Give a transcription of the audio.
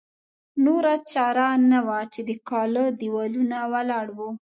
نوره چاره نه وه چې د کاله دېوالونه ولاړ وو.